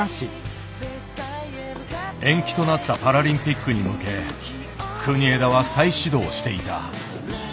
延期となったパラリンピックに向け国枝は再始動していた。